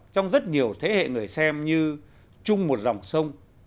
trong rất nhiều thế hệ người xem như chung một dòng sông